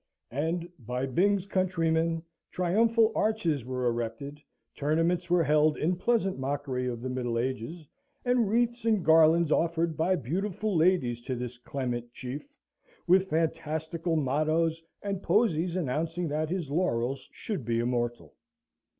And, by Byng's countrymen, triumphal arches were erected, tournaments were held in pleasant mockery of the middle ages, and wreaths and garlands offered by beautiful ladies to this clement chief, with fantastical mottoes and posies announcing that his laurels should be immortal!